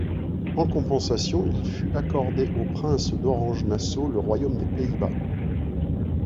En compensation, il fut accordé aux princes d'Orange-Nassau le royaume des Pays-Bas.